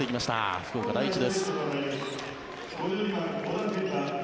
福岡第一です。